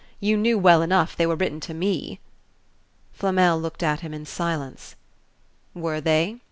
You knew well enough they were written to me." Flamel looked at him in silence. "Were they?"